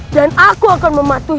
dan aku akan memperbaiki